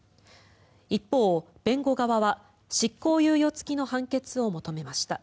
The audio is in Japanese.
一方、弁護側は執行猶予付きの判決を求めました。